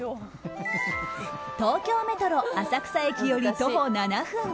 東京メトロ浅草駅より徒歩７分。